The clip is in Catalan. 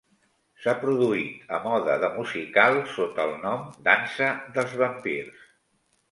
S"ha produït a mode de musical sota el nom "Dansa des vampirs".